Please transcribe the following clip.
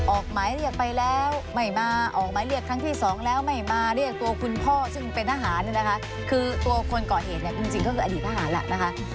ออกหมายเรียกไปแล้วไม่มาออกหมายเรียกครั้งที่สองแล้วไม่มาเรียกตัวคุณพ่อซึ่งเป็นทหารเนี่ยนะคะคือตัวคนก่อเหตุเนี่ยจริงก็คืออดีตทหารแล้วนะคะ